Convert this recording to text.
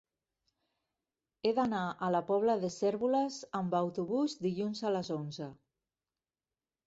He d'anar a la Pobla de Cérvoles amb autobús dilluns a les onze.